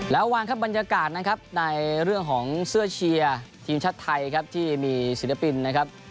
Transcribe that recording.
แล้ววางครับบรรยากาศนะครับในเรื่องของเสื้อเชียร์ทีมชาติไทยครับที่มีศิลปินนะครับ